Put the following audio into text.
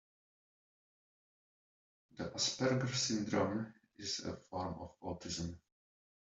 The Asperger syndrome is a form of autism.